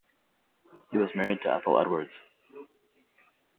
He was married to Ethel Edwards.